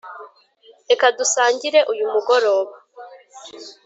reka dusangire uyu mugoroba.